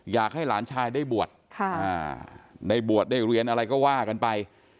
อยากให้หลานชายได้บวชได้บวชได้เรียนอะไรก็ว่ากันไป